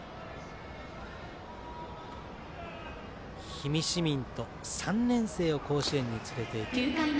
氷見市民と３年生を甲子園に連れて行く。